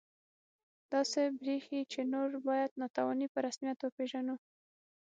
داسې بریښي چې نور باید ناتواني په رسمیت وپېژنو